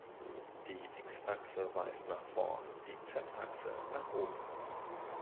Die x-Achse weist nach vorn, die z-Achse nach oben.